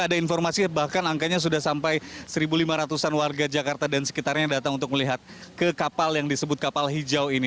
ada informasi bahkan angkanya sudah sampai satu lima ratus an warga jakarta dan sekitarnya yang datang untuk melihat ke kapal yang disebut kapal hijau ini